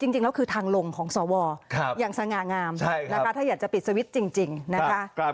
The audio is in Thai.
จริงแล้วคือทางลงของสวอย่างสง่างามนะคะถ้าอยากจะปิดสวิตช์จริงนะคะ